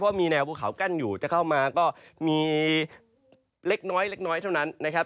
ว่ามีแนวภูเขากั้นอยู่จะเข้ามาก็มีเล็กน้อยเล็กน้อยเท่านั้นนะครับ